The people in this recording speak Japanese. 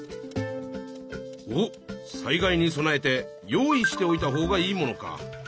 おっ災害に備えて用意しておいた方がいいものか！